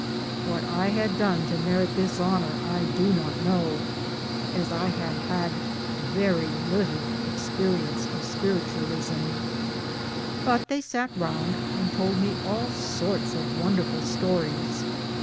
What I had done to merit this honour I do not know, as I had had very little experience of Spiritualism ; but they sat round and told me all sorts of wonderful stories.